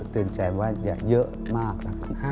เตือนใจว่าอย่าเยอะมากนะครับ